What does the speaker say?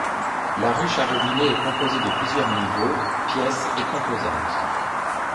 La ruche à robinet est composée de plusieurs niveaux, pièces et composantes.